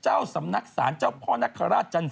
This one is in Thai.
เจ้าสำนักศาลเจ้าพ่อนคราชจันท